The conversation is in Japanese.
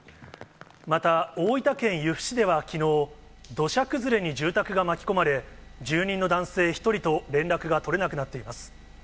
また、大分県由布市ではきのう、土砂崩れに住宅が巻き込まれ、住人の男性１人と連絡が取れなくなっています。